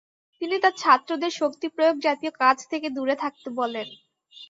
তিনি তার ছাত্রদের শক্তিপ্রয়োগ জাতীয় কাজ থেকে দূরে থাকতে বলেন।